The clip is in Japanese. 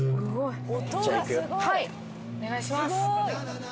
はいお願いします。